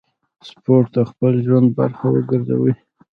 سپورت د خپل ژوند برخه وګرځوئ.